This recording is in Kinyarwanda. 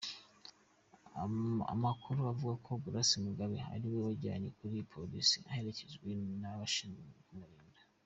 Amakuru avuga ko Grace Mugabe ariwe wijyanye kuri polisi aherekejwe n’ abashinzwe kumurinda.